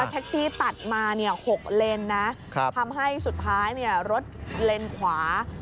แท็กซี่ตัดมา๖เลนนะทำให้สุดท้ายรถเลนขวา